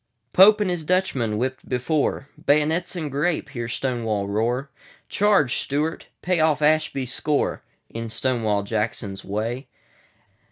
Pope and his Dutchmen!—whipped before."Bay'nets and grape!" hear Stonewall roar. Charge, Stuart! Pay off Ashby's score, In Stonewall Jackson's Way.